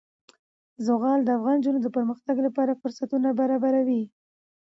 زغال د افغان نجونو د پرمختګ لپاره فرصتونه برابروي.